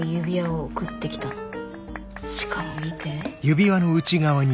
しかも見て。